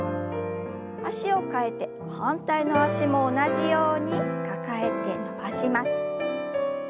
脚を替えて反対の脚も同じように抱えて伸ばします。